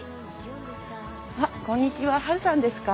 あっこんにちはハルさんですか？